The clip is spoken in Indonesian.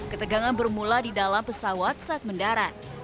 ketegangan bermula di dalam pesawat saat mendarat